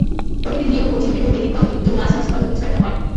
প্রকৃতির নিয়ম কঠিন এবং ব্যতিক্রমহীন, তবু মাঝে-মাঝে হয়তো কিছু-একটা হয়।